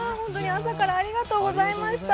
朝からありがとうございました。